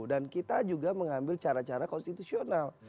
dan kita juga mengambil cara cara konstitusional